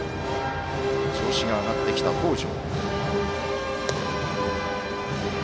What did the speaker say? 調子が上がってきた、北條。